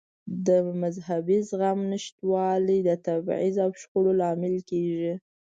د مذهبي زغم نشتوالی د تبعیض او شخړو لامل کېږي.